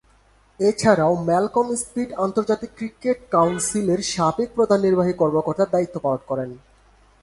এছাড়াও Malcolm Speed আন্তর্জাতিক cricket কাউন্সিলের সাবেক প্রধান নির্বাহী কর্মকর্তার দায়িত্ব পালন করেন।